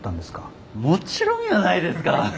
もちろんやないですか。